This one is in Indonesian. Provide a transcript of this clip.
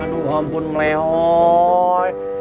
aduh ampun melehoi